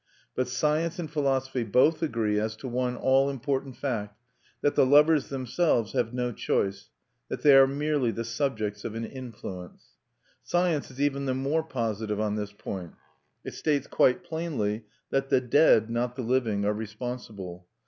But science and philosophy both agree as to one all important fact, that the lovers themselves have no choice, that they are merely the subjects of an influence. Science is even the more positive on this point: it states quite plainly that the dead, not the living, are responsible.